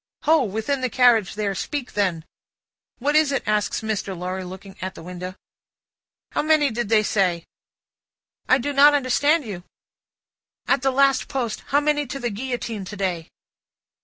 "Ho! Within the carriage there. Speak then!" "What is it?" asks Mr. Lorry, looking out at window. "How many did they say?" "I do not understand you." " At the last post. How many to the Guillotine to day?"